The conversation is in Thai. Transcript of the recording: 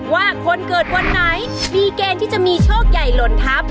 ว่าคนเกิดวันไหนมีเกณฑ์ที่จะมีโชคใหญ่หล่นทัพ